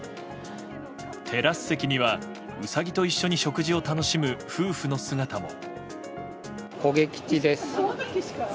テラス席にはウサギと一緒に食事を楽しむ夫婦の姿も。